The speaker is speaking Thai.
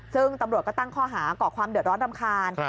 ซึ่งตำรวจก็ตั้งข้อหาก่อความเดือดร้อนรำคาญ